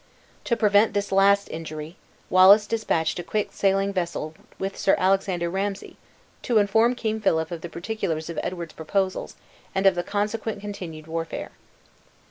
To prevent this last injury, Wallace dispatched a quick sailing vessel with Sir Alexander Ramsay, to inform King Philip of the particulars of Edward's proposals, and of the consequent continued warfare.